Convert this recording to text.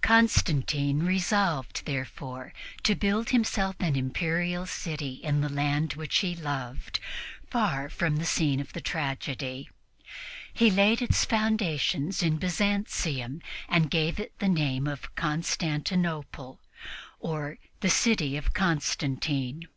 Constantine resolved, therefore, to build himself an Imperial city in the land which he loved, far from the scene of the tragedy. He laid its foundations in Byzantium and gave it the name of Constantinople, or the city of Constantine.